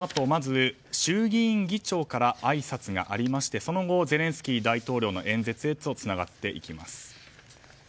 スケジュールではこのあと、まず衆議院議長からあいさつがありましてその後、ゼレンスキー大統領の演説へとつながっていきます。